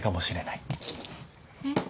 えっ？